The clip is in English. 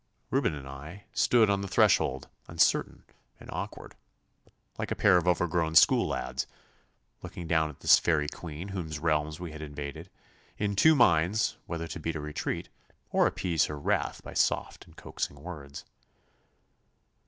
Reuben and I stood on the threshold, uncertain, and awkward, like a pair of overgrown school lads, looking down at this fairy queen whose realms we had invaded, in two minds whether to beat a retreat or to appease her wrath by soft and coaxing words.